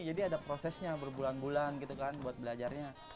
jadi ada prosesnya berbulan bulan gitu kan buat belajarnya